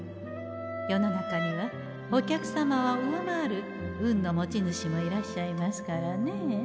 世の中にはお客様を上回る運の持ち主もいらっしゃいますからねえ。